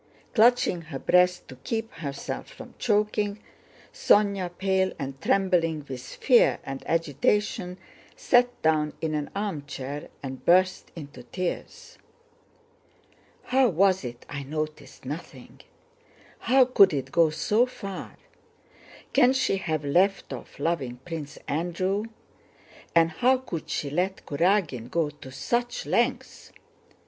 Clutching her breast to keep herself from choking, Sónya, pale and trembling with fear and agitation, sat down in an armchair and burst into tears. "How was it I noticed nothing? How could it go so far? Can she have left off loving Prince Andrew? And how could she let Kurágin go to such lengths?